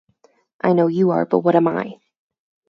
I know you are, but what am I?